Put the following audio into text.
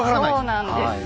そうなんですよ。